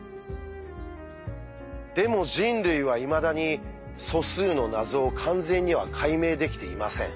でも人類はいまだに素数の謎を完全には解明できていません。